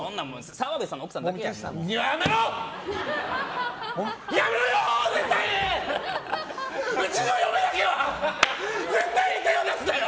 澤部さんの奥さんだけだよ。